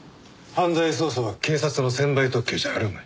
犯罪捜査は警察の専売特許じゃあるまい。